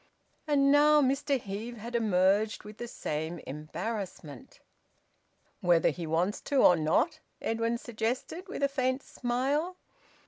And now Mr Heve had emerged with the same embarrassment. "Whether he wants to or not?" Edwin suggested, with a faint smile.